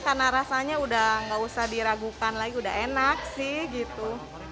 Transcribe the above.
karena rasanya udah enggak usah diragukan lagi udah enak sih gitu